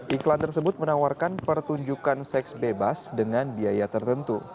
iklan tersebut menawarkan pertunjukan seks bebas dengan biaya tertentu